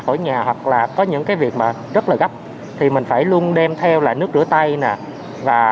ở nhà hoặc là có những cái việc mà rất là gấp thì mình phải luôn đem theo là nước rửa tay nè và